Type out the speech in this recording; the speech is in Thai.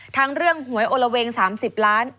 ทั้งเรื่องหวยโอละเวง๓๐ล้าน